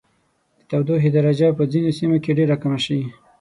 د تودوخې درجه به په ځینو سیمو کې ډیره کمه شي.